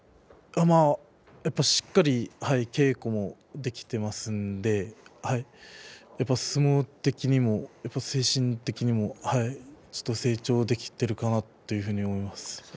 しっかり稽古できていますので相撲的にも精神的にもちょっと成長できているかなというふうに思います。